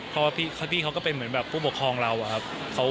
เพราะว่าพี่เขาก็เป็นเหมือนแบบผู้ปกครองเราอะครับ